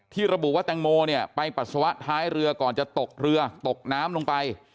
ระบุว่าแตงโมเนี่ยไปปัสสาวะท้ายเรือก่อนจะตกเรือตกน้ำลงไป